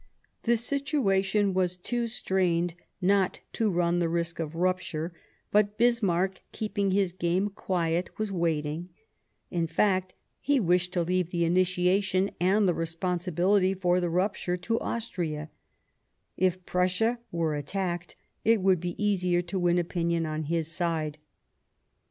The situation was too strained not to run the risk of rupture ; but Bismarck, keeping his game quiet, was waiting ; in fact, he wished to leave the initiative and the responsibility for the rupture to Austria ; if Prussia were attacked, it would be easier to win opinion to his side.